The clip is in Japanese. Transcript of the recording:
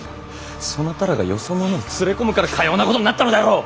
そなたらがよそ者など連れ込むからかようなことになったのであろう！